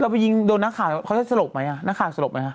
แล้วไปยินโดนนักข่าวเค้าจะโสดไหมนักข่าวโสดไหมคะ